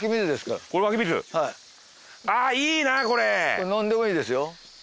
これ飲んでもいいですよ。